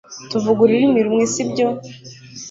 Tuvuga ururimi rumwe si byo